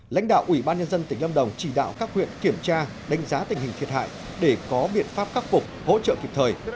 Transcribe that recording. lãnh đạo ủy ban nhân dân tỉnh lâm đồng chỉ đạo các huyện kiểm tra đánh giá tình hình thiệt hại để có biện pháp khắc phục hỗ trợ kịp thời